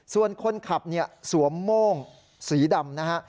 ส่วนคนขับเนี่ยสวมโม่งสีดำนะฮะ